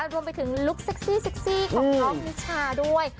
รวมไปถึงลุคเซ็กซี่ของน้องมิชาด้วย